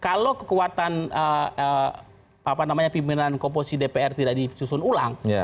kalau kekuatan pimpinan komposi dpr tidak disusun ulang